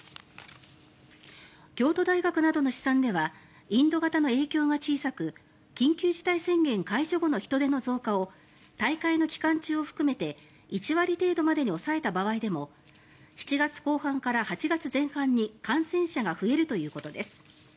京都大学などの試算ではインド型の影響が小さく緊急事態宣言解除後の人出の増加を大会の期間中を含めて１割程度までに抑えた場合でも７月後半から８月前半に感染者が増えるということです。